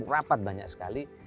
rapat banyak sekali